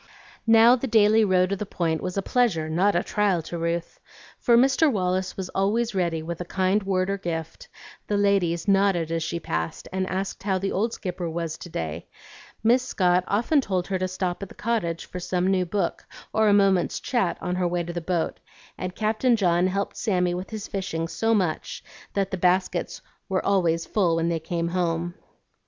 Now the daily row to the Point was a pleasure, not a trial, to Ruth, for Mr. Wallace was always ready with a kind word or gift, the ladies nodded as she passed, and asked how the old Skipper was to day; Miss Scott often told her to stop at the cottage for some new book or a moment's chat on her way to the boat, and Captain John helped Sammy with his fishing so much that the baskets were always full when they came home.